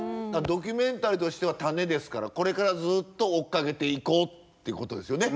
ドキュメンタリーとしては種ですからこれからずっと追っかけていこうってことですよね。